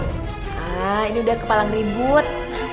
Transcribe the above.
nah ini udah kepalang ribut